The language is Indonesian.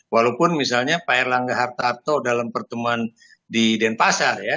walaupun misalnya pak erlangga hartarto dalam pertemuan di denpasar ya